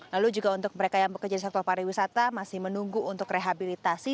lalu juga untuk mereka yang bekerja di sektor pariwisata masih menunggu untuk rehabilitasi